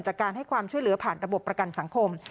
การให้ความช่วยเหลือผ่านระบบประกันสังคม